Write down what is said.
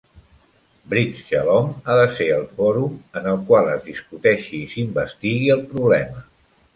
Brith Shalom ha de ser el fòrum en el qual es discuteixi i s'investigui el problema.